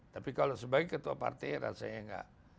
tapi kalau sebagai ketua partai rasanya nggak